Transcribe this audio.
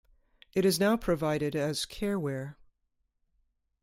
It is now provided as careware.